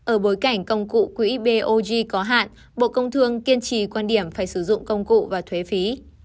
ở bối cảnh công cụ quỹ bog có hạn bộ công thương kiên trì quan điểm phải sử dụng công cụ và thuế phí